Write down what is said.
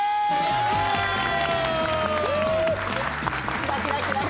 キラキラキラキラ。